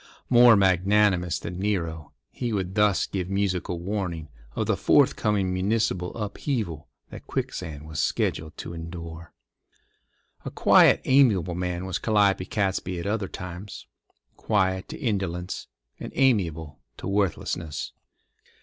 More magnanimous than Nero, he would thus give musical warning of the forthcoming municipal upheaval that Quicksand was scheduled to endure. A quiet, amiable man was Calliope Catesby at other times—quiet to indolence, and amiable to worthlessness.